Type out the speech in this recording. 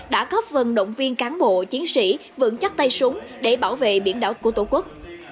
đã góp phần động viên cán bộ chiến sĩ vững chắc tay súng để bảo vệ biển đảo của tổ quốc